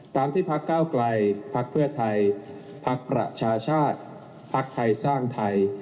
ตามที่พักเก้าไกลพักเพื่อไทยพักประชาชาติภักดิ์ไทยสร้างไทย